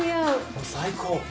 もう最高！